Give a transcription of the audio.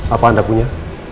apa anda punya